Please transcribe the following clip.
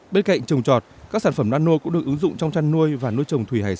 bên cạnh trồng trọt các sản phẩm nano cũng được ứng dụng trong chăn nuôi và nuôi trồng thủy hải sản